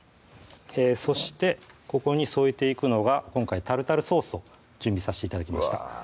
そしてここに添えていくのが今回タルタルソースを準備させて頂きましたうわ